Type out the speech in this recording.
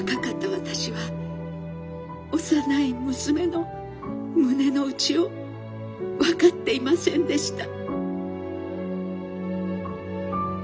私は幼い娘の胸の内を分かっていませんでした」。